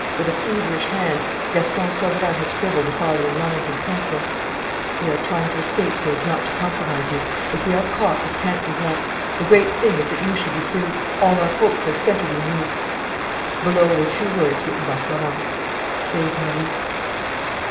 With a feverish hand, Gaston Sauverand had scribbled the following lines in pencil: "We are trying to escape so as not to compromise you. If we are caught, it can't be helped. The great thing is that you should be free. All our hopes are centred in you." Below were two words written by Florence: "Save Marie."